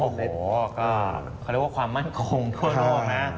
โอ้โหก็คือความมั่นคงทั่วโลกนะ